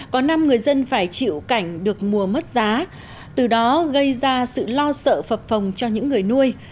có năm người dân phải chịu cảnh được mùa mất giá từ đó gây ra sự lo sợ phật cho những người nuôi